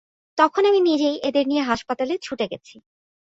তখন আমি নিজেই এদের নিয়ে হাসপাতালে ছুটে গেছি।